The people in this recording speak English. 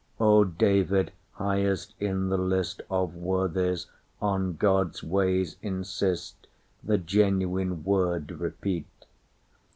O David, highest in the listOf worthies, on God's ways insist, The genuine word repeat!